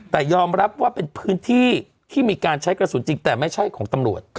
แต่ยอมรับว่าเป็นพื้นที่ที่มีการใช้กระสุนจริงแต่ไม่ใช่ของตำรวจ